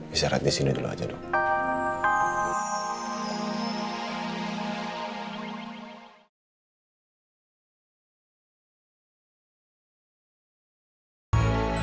istirahat di sini dulu aja dok